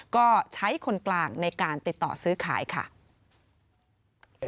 ก็ใช้คนกลางในการติดต่อซื้อขายค่ะ